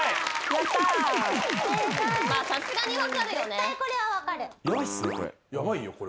絶対これは分かる。